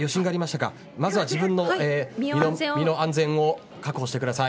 まずは自分の身の安全を確保してください。